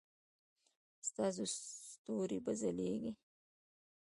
ایا ستاسو ستوري به ځلیږي؟